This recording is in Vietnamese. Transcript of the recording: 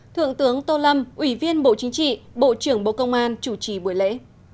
thượng tướng tô lâm ủy viên bộ chính trị bộ trưởng bộ công an chủ trì buổi lễ